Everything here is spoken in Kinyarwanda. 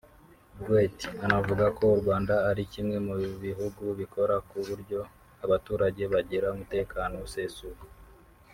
Gwet anavuga ko u Rwanda ari kimwe mu bihugu bikora ku buryo abaturage bagira umutekano usesuye